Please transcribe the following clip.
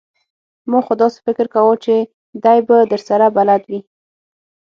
ما خو داسې فکر کاوه چې دی به درسره بلد وي!